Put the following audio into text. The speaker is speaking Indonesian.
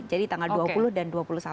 jadi tanggal dua puluh dan dua puluh satu